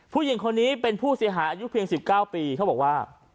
ผู้หญิงคนนี้เป็นผู้เสียหายอายุเพียง๑๙ปีเขาบอกว่า